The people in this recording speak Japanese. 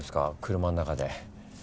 車ん中で。